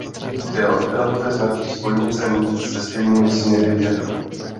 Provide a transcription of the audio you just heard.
V anglické literatuře značí spojnice míst se stejnými směry větru.